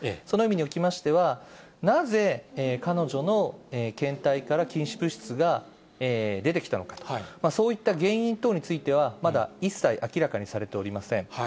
その意味におきましては、なぜ彼女の検体から禁止物質が出てきたのかと、そういった原因等については、まだ一切明らかにされておりません。